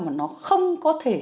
mà nó không có thể